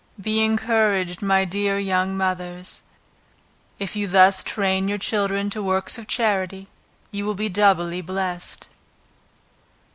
Be encouraged my dear young mothers; if you thus train your children to works of charity, you will be doubly blessed.